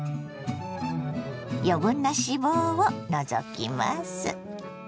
余分な脂肪を除きます。